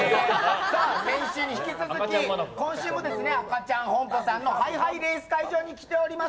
先週に引き続き、今週もアカチャンホンポさんのハイハイレース会場に来ております。